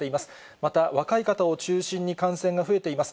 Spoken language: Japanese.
また、若い方を中心に感染が増えています。